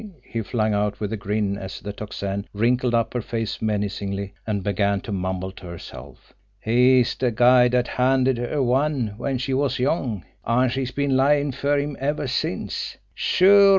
he flung out, with a grin, as the Tocsin wrinkled up her face menacingly and began to mumble to herself. "He's de guy dat handed her one when she was young, an' she's been layin' fer him ever since! Sure!